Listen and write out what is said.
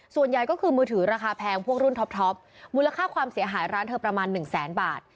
ส่วนใหญ่ก็คือมือถือราคาแพงพวกรุ่นท็อปมูลค่าความเสียหายร้านเธอประมาณหนึ่งแสนบาท